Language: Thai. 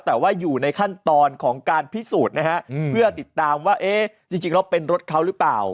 แต่ว่าอยู่ในขั้นตอนของการพิสูจน์นะฮะเพื่อติดตามว่าเอ๊ะจริงแล้วเป็นรถเขาหรือเปล่า